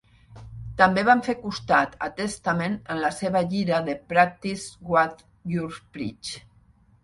També van fer costat a Testament en la seva gira de "Practice What You Preach".